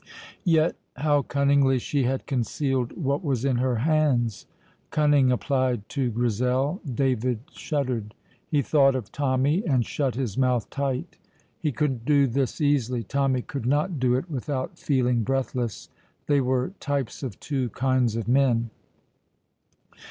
Yet how cunningly she had concealed what was in her hands. Cunning applied to Grizel! David shuddered. He thought of Tommy, and shut his mouth tight. He could do this easily. Tommy could not do it without feeling breathless. They were types of two kinds of men.